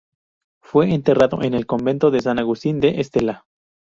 Fue enterrado en el convento de San Agustín de Estella.